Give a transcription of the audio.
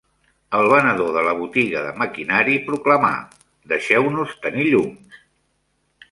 El venedor de la botiga de maquinari proclamà: "Deixeu-nos tenir llums!"